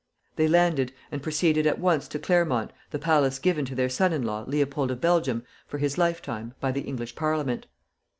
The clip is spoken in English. They landed, and proceeded at once to Claremont, the palace given to their son in law, Leopold of Belgium, for his lifetime by the English Parliament.